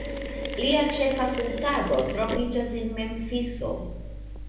Lia ĉefa kultado troviĝis en Memfiso.